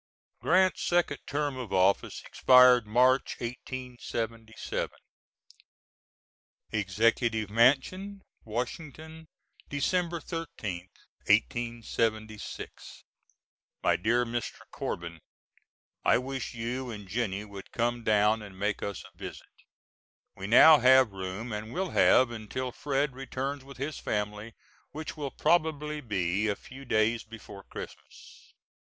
[Grant's second term of office expired March, 1877.] EXECUTIVE MANSION Washington, Dec. 13th, '76. MY DEAR MR. CORBIN: I wish you and Jennie would come down and make us a visit. We now have room, and will have until Fred. returns with his family, which will probably be a few days before Christmas.